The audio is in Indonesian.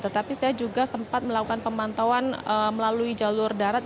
tetapi saya juga sempat melakukan pemantauan melalui jalur darat